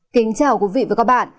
kính chào quý vị và các bạn